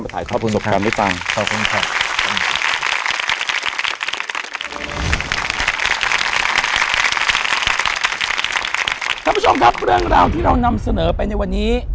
ท่านผู้ชมครับเรื่องราวที่เรานำเสนอไปในวันนี้